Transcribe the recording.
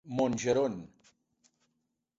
Montgeron.